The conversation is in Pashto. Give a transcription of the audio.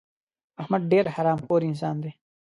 احمد ډېر حرام خور انسان دی.